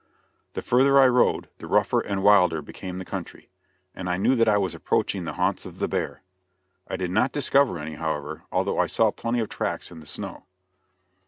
The further I rode the rougher and wilder became the country, and I knew that I was approaching the haunts of the bear. I did not discover any, however, although I saw plenty of tracks in the snow.